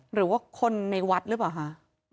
หรือว่าคนในวัดหรือเปล่าคะ